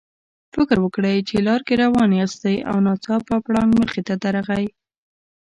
فکر وکړئ چې لار کې روان یاستئ او ناڅاپه پړانګ مخې ته درغی.